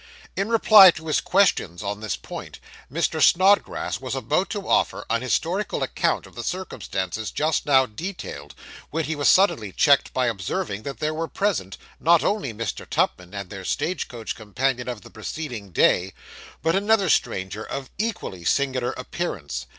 In reply to his questions on this point, Mr. Snodgrass was about to offer an historical account of the circumstances just now detailed, when he was suddenly checked by observing that there were present, not only Mr. Tupman and their stage coach companion of the preceding day, but another stranger of equally singular appearance.